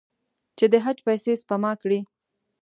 چې د حج پیسې سپما کړي.